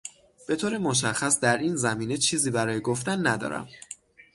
به طور مشخص در این زمینه چیزی برای گفتن ندارم